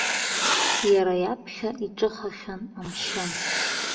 Иара иаԥхьа иҿыхахьан амшын.